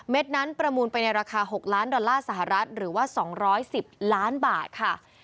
นั้นประมูลไปในราคา๖ล้านดอลลาร์สหรัฐหรือว่า๒๑๐ล้านบาทค่ะ